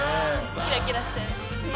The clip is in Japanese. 「キラキラして」